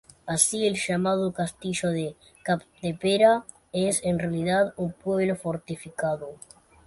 Así el llamado Castillo de Capdepera es, en realidad un pueblo fortificado.